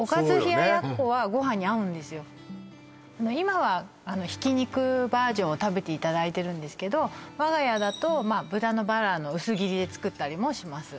今はひき肉バージョンを食べていただいてるんですけど我が家だと豚のバラの薄切りで作ったりもします